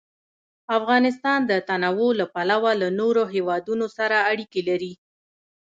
افغانستان د تنوع له پلوه له نورو هېوادونو سره اړیکې لري.